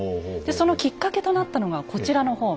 そのきっかけとなったのがこちらの本。